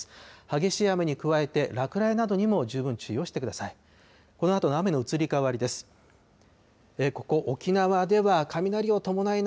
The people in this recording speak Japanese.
激しい雨に加えて、落雷などにも十分注意をしてください。